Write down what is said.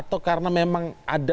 atau karena memang ada unsur kebencian